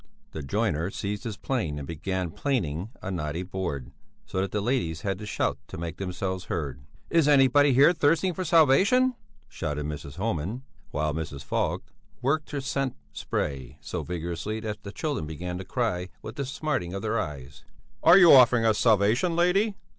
The joiner seized his plane and began planing a knotty board, so that the ladies had to shout to make themselves heard. "Is anybody here thirsting for salvation?" shouted Mrs. Homan, while Mrs. Falk worked her scent spray so vigorously that the children began to cry with the smarting of their eyes. "Are you offering us salvation, lady?"